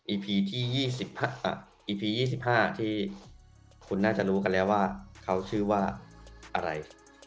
ที่อีพี๒๕ที่คุณน่าจะรู้กันแล้วว่าเขาชื่อว่าอะไร